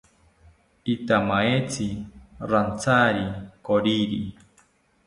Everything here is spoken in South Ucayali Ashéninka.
Ithamaetzi rantyari koriki